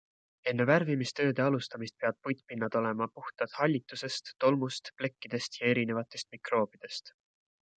Enne värvimistööde alustamist peavad puitpinnad olema puhtad hallitusest, tolmust, plekkidest ja erinevatest mikroobidest.